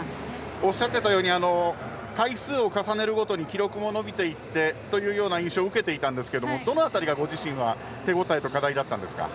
おっしゃっていたように回数を重ねるごとに記録も伸びてという印象を受けたんですがどの辺りがご自身手応えと課題だったんですか。